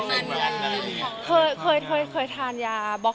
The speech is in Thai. ใช้วิทยาการทำการแพทย์ช่วยเลยใช้แค่การศึกษาอย่างนี้ช่วย